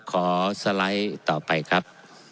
สไลด์ต่อไปครับ